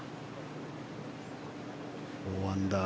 ４アンダー。